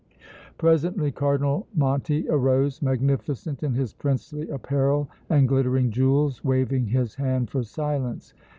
Presently Cardinal Monti arose, magnificent in his princely apparel and glittering jewels, waving his hand for silence.